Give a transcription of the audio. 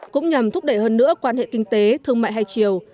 cũng nhằm thúc đẩy hơn nữa quan hệ kinh tế thương mại hai chiều